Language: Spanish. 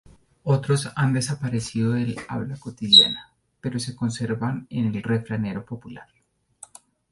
Otros han desaparecido del habla cotidiana, pero se conservan en el refranero popular.